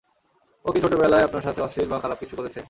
ও কী ছোটবেলায় আপনার সাথে অশ্লীল বা খারাপ কিছু করেছে?